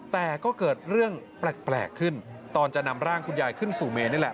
แต่ก็เกิดเรื่องแปลกขึ้นตอนจะนำร่างคุณยายขึ้นสู่เมนนี่แหละ